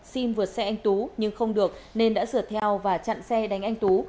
xin vượt xe anh tú nhưng không được nên đã sửa theo và chặn xe đánh anh tú